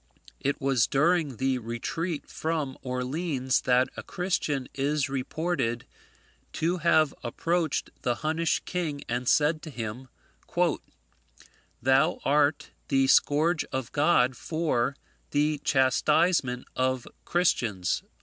It was during the retreat from Orleans that a Christian is reported to have approached the Hunnish king, and said to him, "Thou art the Scourge of God for the chastisement of Christians."